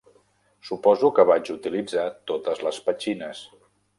Suposo que vaig utilitzar totes les petxines.